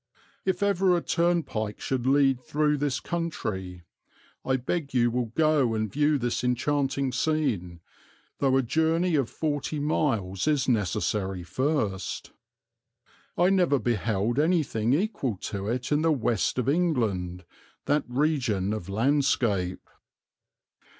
If ever a turnpike should lead through this country, I beg you will go and view this enchanting scene, though a journey of forty miles is necessary first. I never beheld anything equal to it in the West of England, that region of landscape."